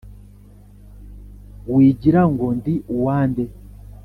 Wigira ngo ndi uwa nde